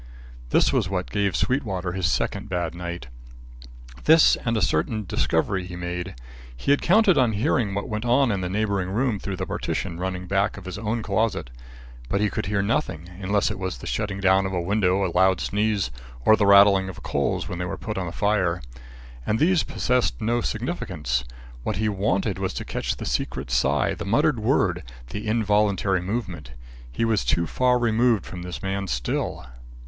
This was what gave Sweetwater his second bad night; this and a certain discovery he made. He had counted on hearing what went on in the neighbouring room through the partition running back of his own closet. But he could hear nothing, unless it was the shutting down of a window, a loud sneeze, or the rattling of coals as they were put on the fire. And these possessed no significance. What he wanted was to catch the secret sigh, the muttered word, the involuntary movement. He was too far removed from this man still.